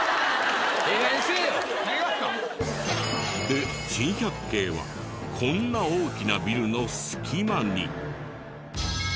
で珍百景はこんな大きなビルの隙間に。